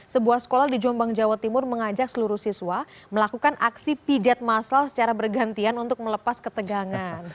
sebuah sekolah di jombang jawa timur mengajak seluruh siswa melakukan aksi pijat masal secara bergantian untuk melepas ketegangan